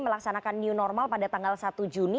melaksanakan new normal pada tanggal satu juni